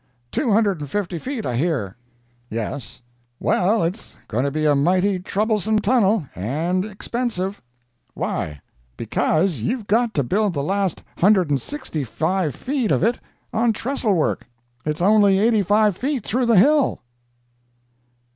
"Two hundred and fifty feet, I hear?" "Yes." "Well, it's going to be a mighty troublesome tunnel—and expensive." "Why?" "Because you've got to build the last hundred and sixty five feet of it on trestle work—it's only eighty five feet through the hill!"